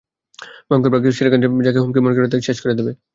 ভয়ংকর বাঘ Shere Khan যাকে হুমকি মনে করবে, শেষ করে দেবে।